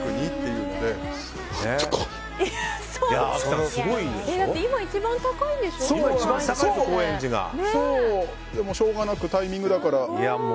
そう、でもしょうがなくタイミングだから。